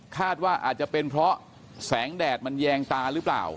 คาดว่าอาจจะเป็นเพราะแสงแดดมันแยงตาหรือเปล่า